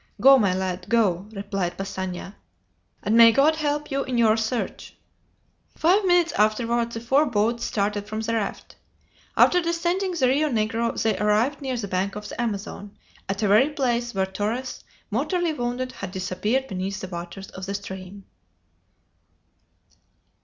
"Go, my lad, go," replied Passanha, "and may God help you in your search." Five minutes afterward the four boats started from the raft. After descending the Rio Negro they arrived near the bank of the Amazon, at the very place where Torres, mortally wounded, had disappeared beneath the waters of the stream.